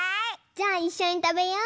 じゃあいっしょにたべよう！